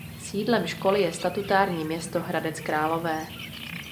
Sídlem školy je statutární město Hradec Králové.